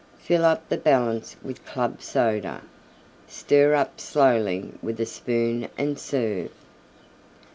Fill up the balance with Club Soda; stir up slowly with a spoon and serve.